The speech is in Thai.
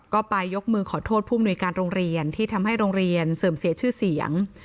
ก็ไปยกมือขอโทษผู้มนุยการโรงเรียนที่ทำให้โรงเรียนเสื่อมเสียชื่อเสียง